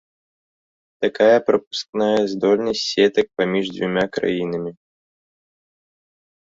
Такая прапускная здольнасць сетак паміж дзвюма краінамі.